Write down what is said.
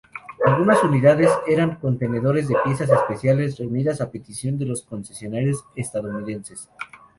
Algunas unidades eran "contenedores de piezas especiales" reunidas a petición de los concesionarios estadounidenses.